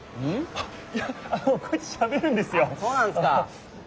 あっそうなんですか！